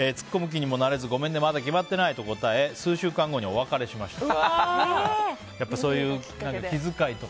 気にもなれずごめんね、まだ決まってないと答え、数週間後にお別れしました。